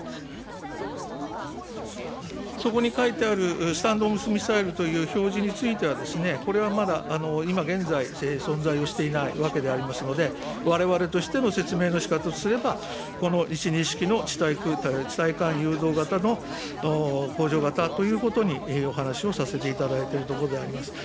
そこに書いてあるスタンド・オフ・ミサイルという表示については、これはまだ今現在、存在をしていないわけでありますので、われわれとしての説明のしかたとすれば、この１２式地対艦誘導型の向上型ということにお話をさせていただいているところであります。